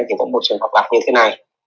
thì có một trường hợp gặp như thế này